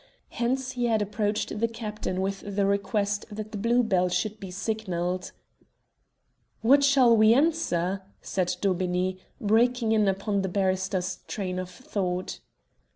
Hence he had approached the captain with the request that the Blue Bell should be signalled. "What shall we answer?" said Daubeney, breaking in upon the barrister's train of thought.